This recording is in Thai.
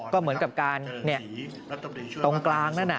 ก็เหมือนกับการตรงกลางนั่นน่ะ